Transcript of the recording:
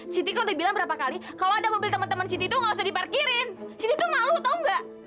siti kan udah bilang berapa kali kalau ada mobil temen temen siti tuh gak usah diparkirin siti tuh malu tau enggak